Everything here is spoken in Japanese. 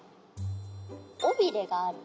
おびれがある。